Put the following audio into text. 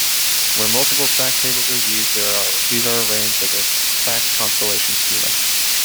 Where multiple fact tables are used, these are arranged as a fact constellation schema.